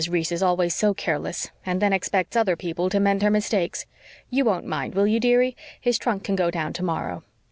Reese is always so careless, and then expects other people to mend her mistakes. You won't mind, will you, dearie? His trunk can go down tomorrow."